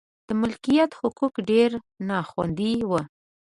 د مالکیت حقوق ډېر نا خوندي و.